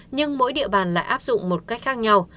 nhưng mỗi địa bàn lại áp dụng một cách khác nhau